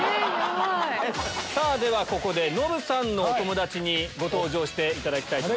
ここでノブさんのお友達に登場していただきたいと思います。